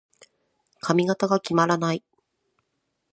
髪型が決まらない。